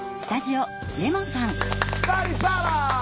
「バリバラ」！